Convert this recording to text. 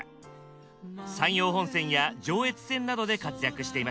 山陽本線や上越線などで活躍していました。